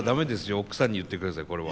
奥さんに言ってくださいこれは。